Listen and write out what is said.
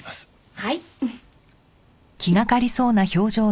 はい。